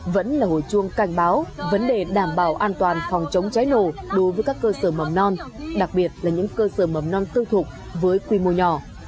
vẫn là hồi chuông cảnh báo vấn đề đảm bảo an toàn phòng chống cháy nổ đối với các cơ sở mầm non đặc biệt là những cơ sở mầm non tư thục với quy mô nhỏ